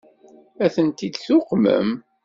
Ad tent-id-tuqmem?